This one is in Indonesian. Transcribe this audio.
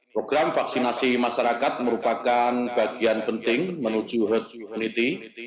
program vaksinasi masyarakat merupakan bagian penting menuju hoju unity